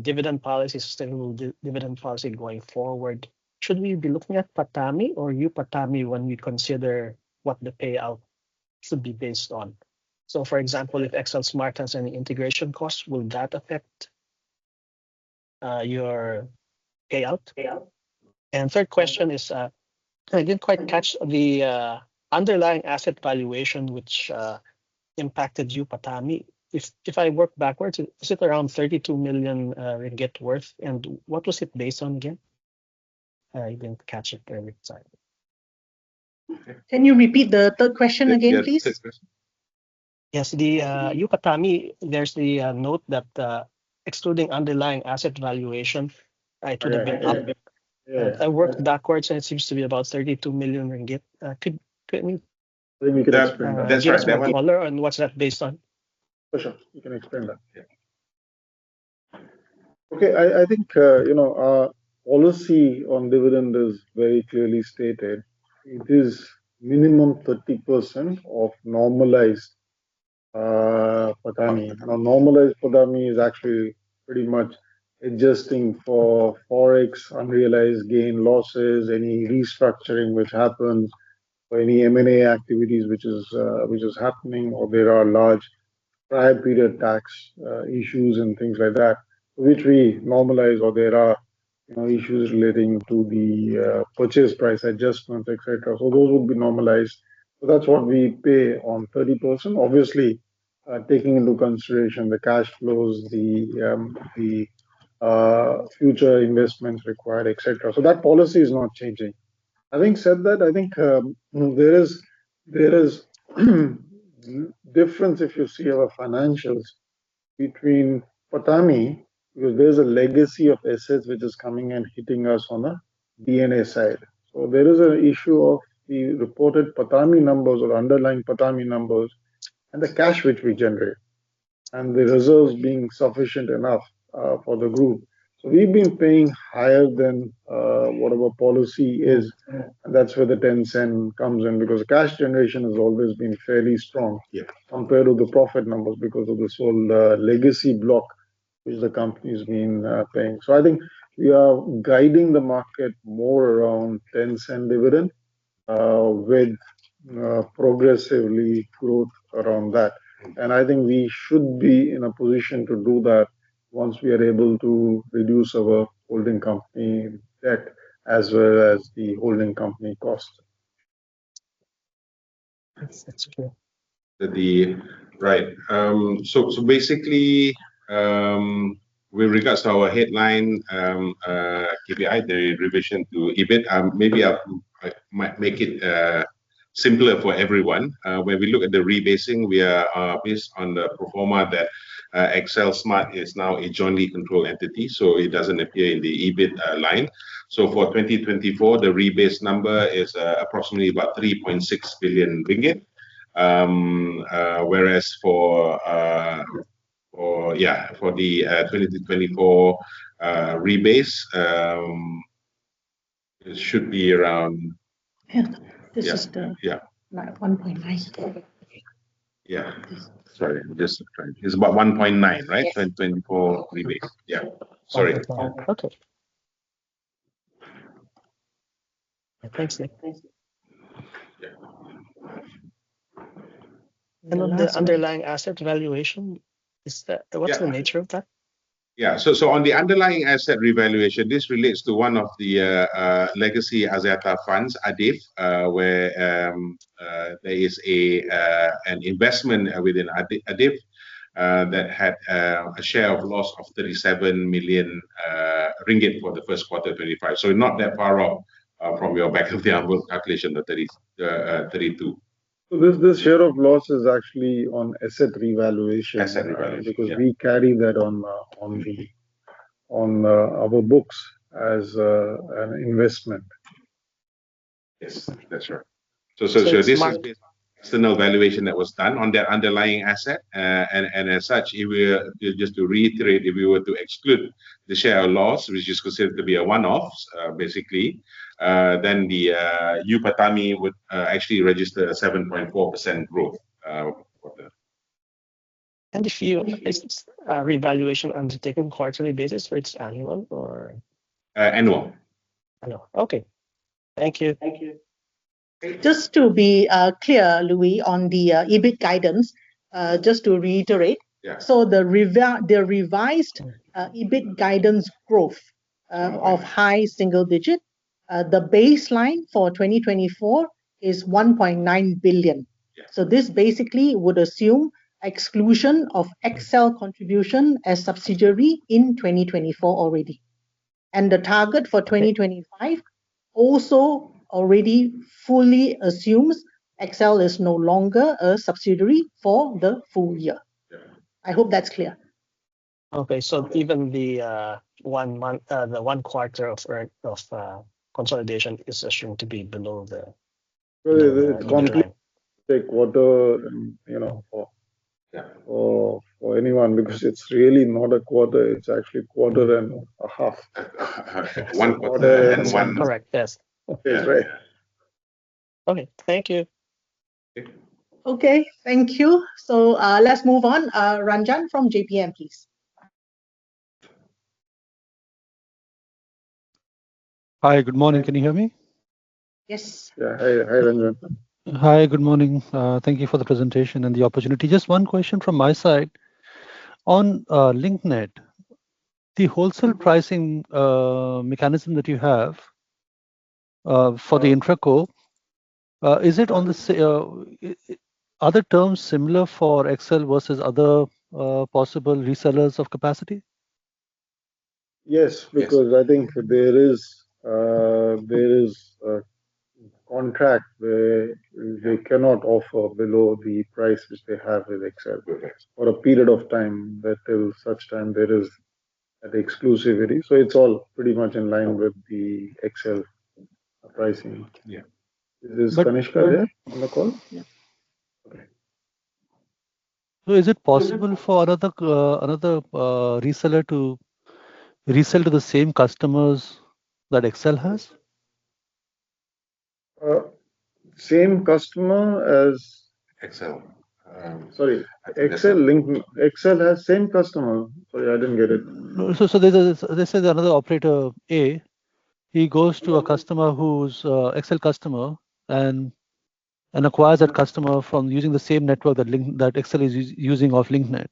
dividend policy, sustainable dividend policy going forward. Should we be looking at PATAMI or UPATAMI when we consider what the payout should be based on? For example, if XLSMARThas any integration costs, will that affect your payout? Third question is I didn't quite catch the underlying asset valuation which impacted UPATAMI. If I work backwards, is it around 32 million ringgit worth? What was it based on again? I didn't catch it very exactly. Can you repeat the third question again, please? Yes, the UPATAMI, there's the note that excluding underlying asset valuation, it would have been up. I worked backwards and it seems to be about 32 million ringgit. Could you explain that one? That's right, that one. What's that based on? For sure. You can explain that. Okay, I think policy on dividend is very clearly stated. It is minimum 30% of normalized PATAMI. Normalized PATAMI is actually pretty much adjusting for forex, unrealized gain losses, any restructuring which happens, or any M&A activities which is happening, or there are large prior period tax issues and things like that, which we normalize, or there are issues relating to the purchase price adjustments, etc. Those would be normalized. That's what we pay on 30%, obviously taking into consideration the cash flows, the future investments required, etc. That policy is not changing. Having said that, I think there is difference if you see our financials between PATAMI because there's a legacy of assets which is coming and hitting us on the DNA side. There is an issue of the reported PATAMI numbers or underlying PATAMI numbers. The cash which we generate and the reserves being sufficient enough for the group. We've been paying higher than whatever policy is. That's where the 0.10 comes in because cash generation has always been fairly strong compared to the profit numbers because of the sole legacy block which the company has been paying. I think we are guiding the market more around 0.10 dividend with progressively growth around that. I think we should be in a position to do that once we are able to reduce our holding company debt as well as the holding company cost. That's true. Right. So basically, with regards to our headline KPI, the revision to EBIT, maybe I might make it simpler for everyone. When we look at the rebasing, we are based on the Proforma that XL Smartfren is now a jointly controlled entity. So it doesn't appear in the EBIT line. For 2024, the rebase number is approximately about 3.6 billion ringgit. Whereas for, yeah, for the 2024 rebase, it should be around. Yeah, this is the MYR 1.9 billion. Yeah. Sorry, just trying. It's about 1.9 billion, right? 2024 rebase. Yeah. Sorry. Okay. Thanks, Nick. And on the underlying asset valuation, what's the nature of that? Yeah. On the underlying asset revaluation, this relates to one of the legacy Axiata funds, ADIF, where there is an investment within ADIF that had a share of loss of 37 million ringgit for the first quarter of 2025. Not that far off from your back of the envelope calculation of 32. This share of loss is actually on asset revaluation. Asset revaluation. Because we carry that on our books as an investment. Yes, that's right. This is the new valuation that was done on that underlying asset. As such, just to reiterate, if we were to exclude the share of loss, which is considered to be a one-off, basically, then the UPATAMI would actually register a 7.4% growth. Is the revaluation undertaken on a quarterly basis or is it annual? Annual. Annual. Okay. Thank you. Thank you. Just to be clear, Louis, on the EBIT guidance, just to reiterate, the revised EBIT guidance growth of high single digit, the baseline for 2024 is 1.9 billion. This basically would assume exclusion of XL contribution as subsidiary in 2024 already. The target for 2025 also already fully assumes XL is no longer a subsidiary for the full year. I hope that is clear. Okay. Even the one quarter of consolidation is assumed to be below the complete third quarter for anyone because it is really not a quarter. It is actually a quarter and a half. One quarter and one. Correct. Yes. Okay. Right. Okay. Thank you. Okay. Thank you. Let's move on. Ranjan from JPM, please. Hi. Good morning. Can you hear me? Yes. Yeah. Hi, Ranjan. Hi. Good morning. Thank you for the presentation and the opportunity. Just one question from my side. On Link Net, the wholesale pricing mechanism that you have for the intra-group, is it on the other terms similar for XL versus other possible resellers of capacity? Yes, because I think there is a contract where they cannot offer below the price which they have with XL for a period of time. There is such time there is an exclusivity. It is all pretty much in line with the XL pricing. Is Kanishka there on the call? Yeah. Okay. Is it possible for another reseller to resell to the same customers that XL has? Same customer as XL. Sorry. XL has same customer. Sorry, I did not get it. Let's say there is another operator A. He goes to a customer who is an XL customer and acquires that customer from using the same network that XL is using off Link Net.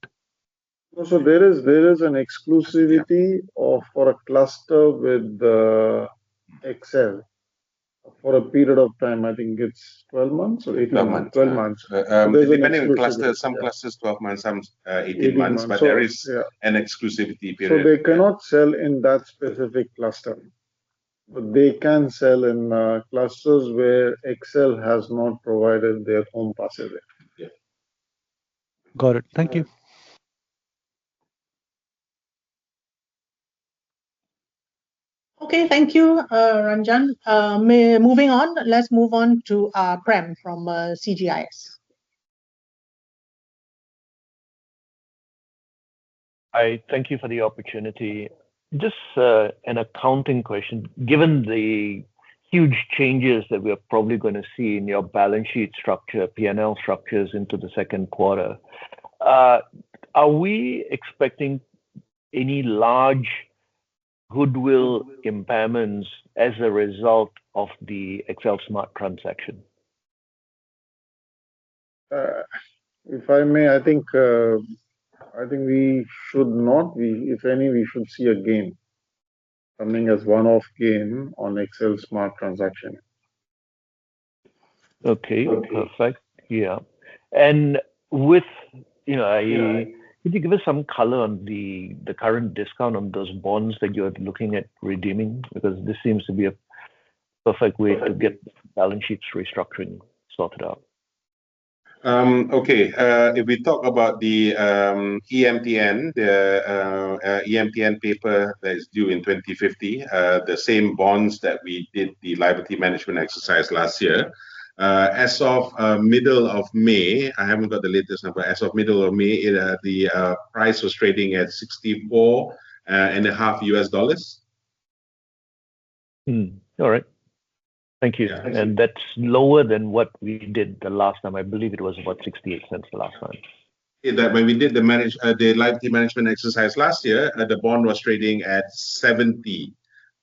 There is an exclusivity for a cluster with XL for a period of time. I think it is 12 months or 18 months. Twelve months. Twelve months. Depending on clusters, some clusters 12 months, some 18 months, but there is an exclusivity period. They cannot sell in that specific cluster. They can sell in clusters where XL has not provided their own passive. Got it. Thank you. Okay. Thank you, Ranjan. Moving on, let's move on to Prem from CGIS. Hi. Thank you for the opportunity. Just an accounting question. Given the huge changes that we are probably going to see in your balance sheet structure, P&L structures into the second quarter, are we expecting any large goodwill impairments as a result of the XLSMART transaction? If I may, I think we should not. If any, we should see a gain coming as one-off gain on XLSMART transaction. Okay. Perfect. Yeah. And could you give us some color on the current discount on those bonds that you're looking at redeeming? Because this seems to be a perfect way to get balance sheets restructuring sorted out. Okay. If we talk about the EMPN, the EMPN paper that is due in 2050, the same bonds that we did the liability management exercise last year, as of middle of May, I haven't got the latest number, as of middle of May, the price was trading at $64.50. All right. Thank you. That's lower than what we did the last time. I believe it was about $0.68 the last time. When we did the liability management exercise last year, the bond was trading at $70.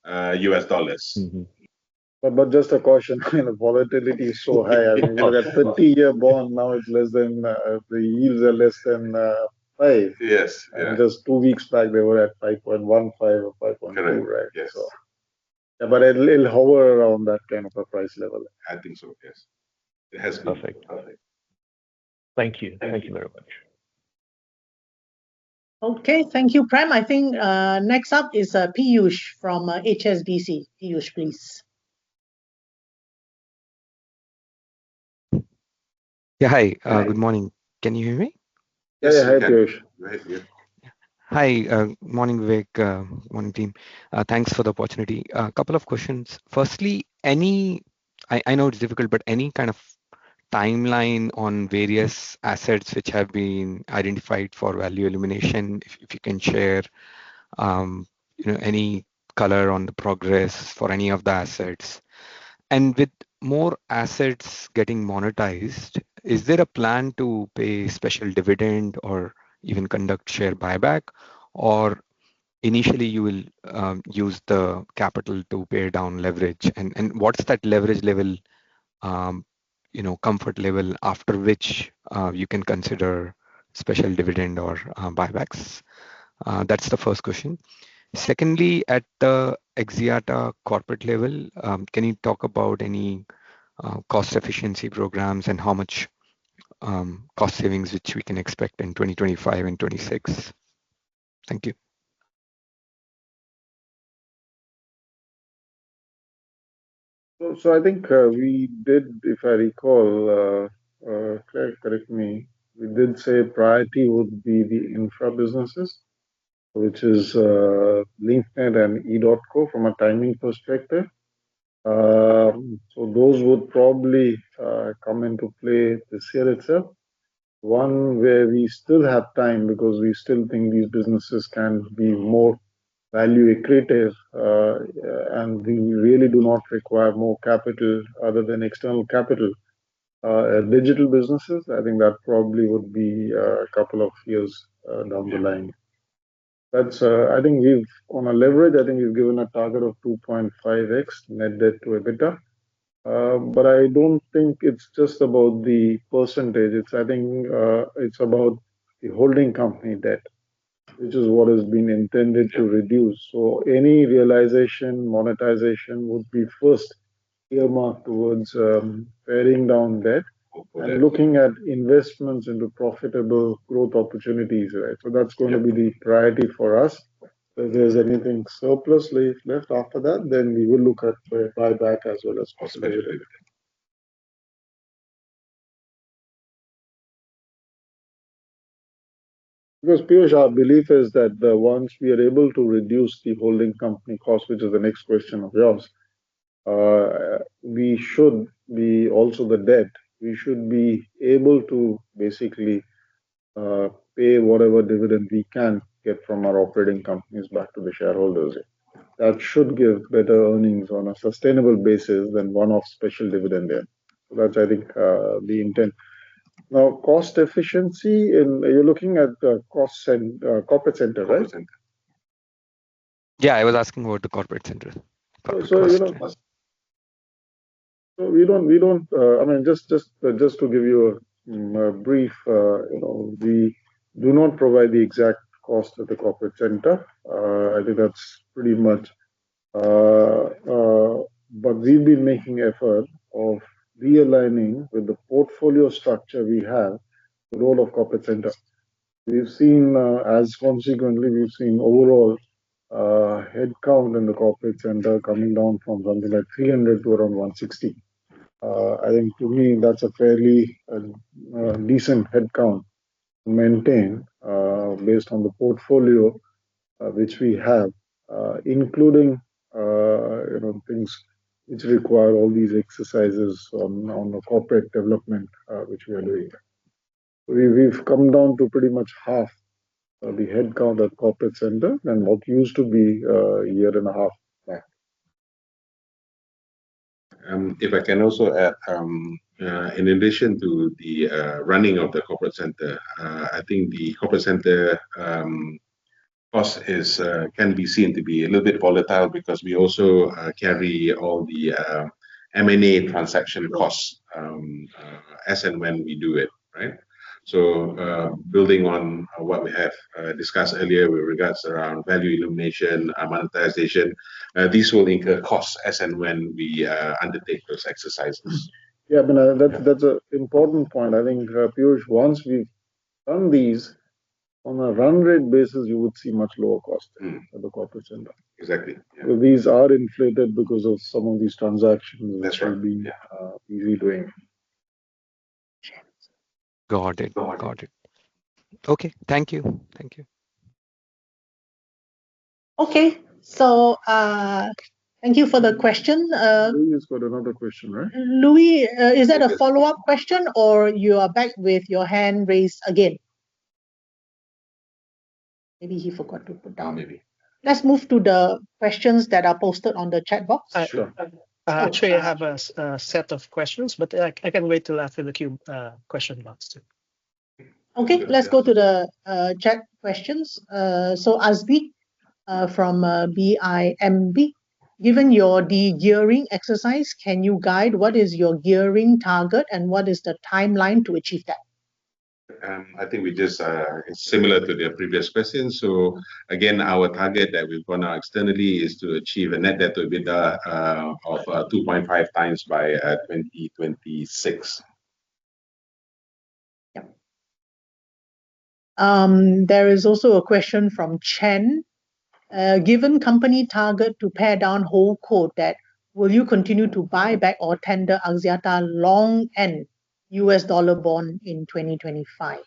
But just a caution, volatility is so high. I mean, we've got 30-year bond, now it's less than the yields are less than 5%. Just two weeks back, they were at 5.15% or 5.2%, right? Correct. But it'll hover around that kind of a price level. I think so, yes. It has been. Perfect. Perfect. Thank you. Thank you very much. Okay. Thank you, Prem. I think next up is Piyush from HSBC. Piyush, please. Yeah. Hi. Good morning. Can you hear me? Yeah. Yeah. Hi, Piyush. Hi, Piyush. Hi. Morning, Vivek. Morning, team. Thanks for the opportunity. A couple of questions. Firstly, I know it's difficult, but any kind of timeline on various assets which have been identified for value elimination, if you can share any color on the progress for any of the assets. With more assets getting monetized, is there a plan to pay special dividend or even conduct share buyback, or initially you will use the capital to pare down leverage? What's that leverage level, comfort level, after which you can consider special dividend or buybacks? That's the first question. Secondly, at the Axiata corporate level, can you talk about any cost efficiency programs and how much cost savings which we can expect in 2025 and 2026? Thank you. I think we did, if I recall, correct me, we did say priority would be the infra businesses, which is Link Net and EDOTCO from a timing perspective. Those would probably come into play this year itself. One where we still have time because we still think these businesses can be more value accretive and we really do not require more capital other than external capital. Digital businesses, I think that probably would be a couple of years down the line. I think on a leverage, I think we have given a target of 2.5x net debt to EBITDA. I do not think it is just about the percentage. I think it's about the holding company debt, which is what has been intended to reduce. Any realization, monetization would be first earmarked towards paring down debt and looking at investments into profitable growth opportunities, right? That's going to be the priority for us. If there's anything surplus left after that, then we will look at buyback as well as possibility. Because Piyush, our belief is that once we are able to reduce the holding company cost, which is the next question of yours, we should be also the debt. We should be able to basically pay whatever dividend we can get from our operating companies back to the shareholders. That should give better earnings on a sustainable basis than one-off special dividend debt. That's, I think, the intent. Now, cost efficiency, you're looking at the corporate center, right? Corporate center. Yeah. I was asking about the corporate center. We do not, I mean, just to give you a brief, we do not provide the exact cost of the corporate center. I think that's pretty much. We've been making effort of realigning with the portfolio structure we have, the role of corporate center. As consequently, we've seen overall headcount in the corporate center coming down from something like 300 to around 160. I think to me, that's a fairly decent headcount to maintain based on the portfolio which we have, including things which require all these exercises on the corporate development which we are doing. We've come down to pretty much half the headcount at corporate center than what used to be a year and a half back. If I can also add, in addition to the running of the corporate center, I think the corporate center cost can be seen to be a little bit volatile because we also carry all the M&A transaction costs as and when we do it, right? Building on what we have discussed earlier with regards around value elimination, monetization, these will incur costs as and when we undertake those exercises. Yeah. I mean, that's an important point. I think Piyush, once we've done these on a run rate basis, you would see much lower costs for the corporate center. Exactly. These are inflated because of some of these transactions that we've been redoing. Got it. Got it. Okay. Thank you. Thank you. Okay. Thank you for the question. Louis has got another question, right? Louis, is that a follow-up question or you are back with your hand raised again? Maybe he forgot to put down. Let's move to the questions that are posted on the chat box. Sure. I'm sure you have a set of questions, but I can wait till after the queue question box too. Okay. Let's go to the chat questions. So Azbi from BIMB, given your degearing exercise, can you guide what is your gearing target and what is the timeline to achieve that? I think we just are similar to the previous question. Again, our target that we've gone out externally is to achieve a net debt to EBITDA of 2.5 times by 2026. Yeah. There is also a question from Chen. Given company target to pare down HoldCo debt, will you continue to buy back or tender Axiata long-end US dollar bond in 2025?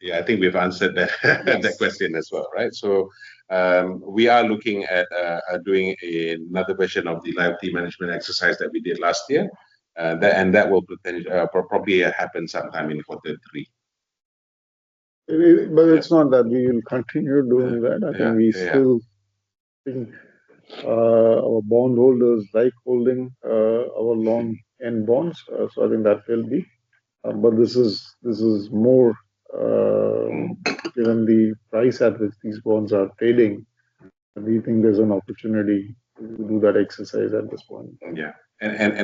Yeah. I think we've answered that question as well, right? We are looking at doing another version of the liability management exercise that we did last year, and that will probably happen sometime in quarter three. It is not that we will continue doing that. I think we still think our bondholders like holding our long-end bonds. I think that will be. This is more given the price at which these bonds are trading. We think there is an opportunity to do that exercise at this point. Yeah.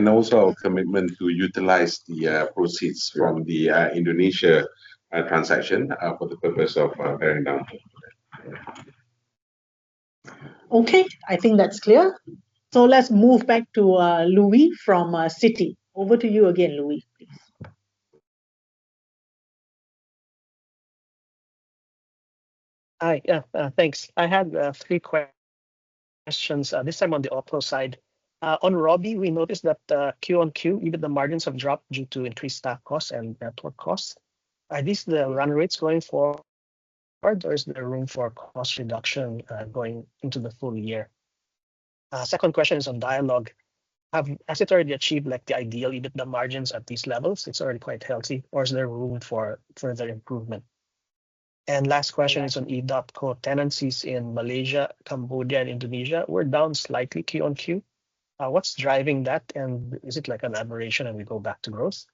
Also a commitment to utilize the proceeds from the Indonesia transaction for the purpose of paring down. Okay. I think that is clear. Let us move back to Louis from Citi. Over to you again, Louis, please. Hi. Yeah. Thanks. I had three questions. This time on the Oppo side. On Robi, we noticed that Q on Q, even the margins have dropped due to increased staff costs and network costs. Are these the run rates going forward, or is there room for cost reduction going into the full year? Second question is on Dialog. Have assets already achieved the ideal EBITDA margins at these levels? It is already quite healthy, or is there room for further improvement? Last question is on EDOTCO tenancies in Malaysia, Cambodia, and Indonesia. We are down slightly Q on Q. What is driving that, and is it an aberration and we go back to growth?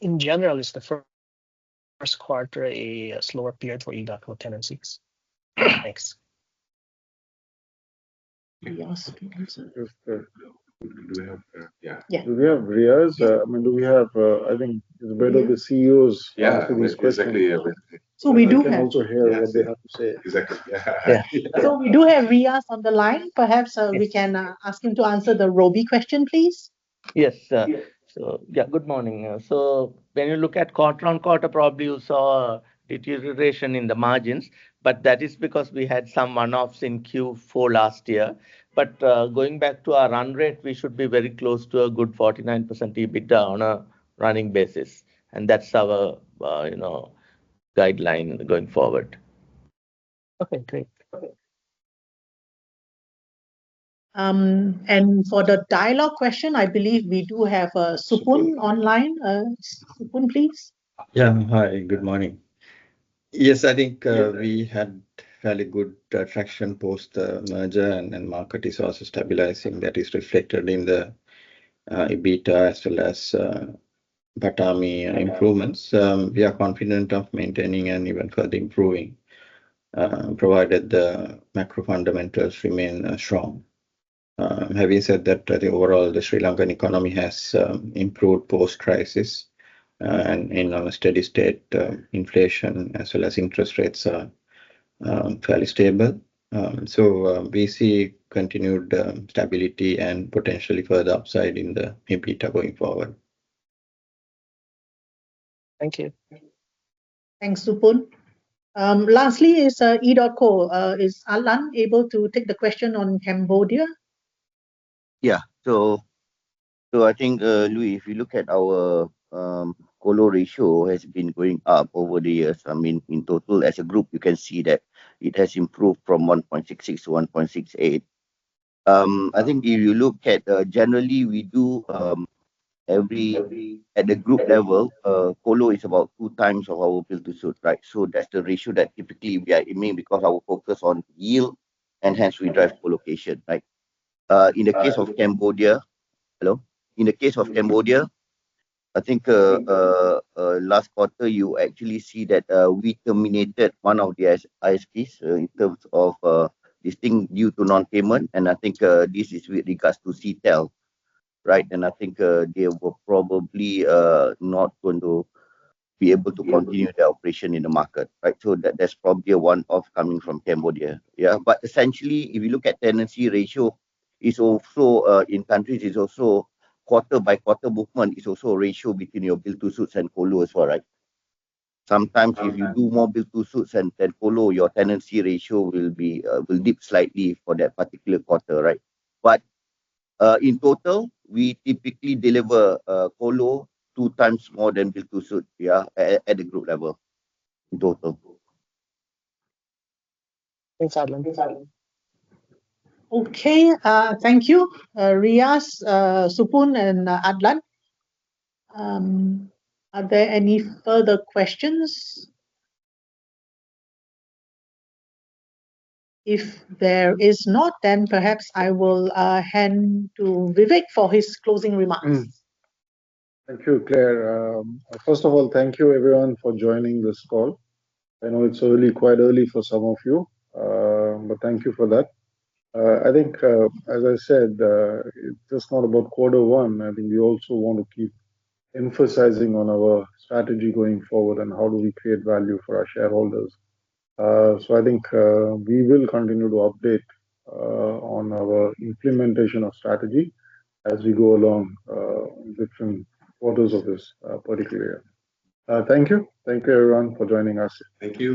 In general, is the first quarter a slower period for EDOTCO tenancies? Thanks. Do we have Riyaaz? I mean, do we have? I think it is better the CEOs answer these questions. Yeah. Exactly. So we do have. We can also hear what they have to say. Exactly. We do have Riyaaz on the line. Perhaps we can ask him to answer the Robi question, please. Yes. Yeah, good morning. When you look at quarter on quarter, probably you saw deterioration in the margins, but that is because we had some one-offs in Q4 last year. Going back to our run rate, we should be very close to a good 49% EBITDA on a running basis. That is our guideline going forward. Great. For the Dialog question, I believe we do have Supun online. Supun, please. Yeah. Hi. Good morning. I think we had fairly good traction post the merger, and market is also stabilizing. That is reflected in the EBITDA as well as PATAMI improvements. We are confident of maintaining and even further improving provided the macro fundamentals remain strong. Having said that, I think overall the Sri Lankan economy has improved post-crisis and in a steady state. Inflation as well as interest rates are fairly stable. We see continued stability and potentially further upside in the EBITDA going forward. Thank you. Thanks, Supun. Lastly, is EDOTCO, is Adlan able to take the question on Cambodia? Yeah. I think, Louis, if you look at our colo ratio, it has been going up over the years. I mean, in total, as a group, you can see that it has improved from 1.66 to 1.68. I think if you look at generally, we do at the group level, colo is about two times of our build to suit, right? That is the ratio that typically we are aiming because our focus on yield, and hence we drive colocation, right? In the case of Cambodia, hello? In the case of Cambodia, I think last quarter, you actually see that we terminated one of the ISPs in terms of this thing due to non-payment. I think this is with regards to CTEL, right? I think they were probably not going to be able to continue their operation in the market, right? That is probably a one-off coming from Cambodia. Yeah. Essentially, if you look at tenancy ratio, in countries, it is also quarter-by-quarter movement. It is also a ratio between your build-to-suits and colo as well, right? Sometimes if you do more build-to-suits than colo, your tenancy ratio will dip slightly for that particular quarter, right? In total, we typically deliver colo two times more than build-to-suit, yeah, at the group level in total. Thanks, Adlan. Okay. Thank you, Riyaaz, Supun, and Adlan. Are there any further questions? If there is not, then perhaps I will hand to Vivek for his closing remarks. Thank you, Clare. First of all, thank you everyone for joining this call. I know it is early, quite early for some of you, but thank you for that. I think, as I said, it is just not about quarter one. I think we also want to keep emphasizing on our strategy going forward and how do we create value for our shareholders. I think we will continue to update on our implementation of strategy as we go along in different quarters of this particular year. Thank you. Thank you everyone for joining us. Thank you.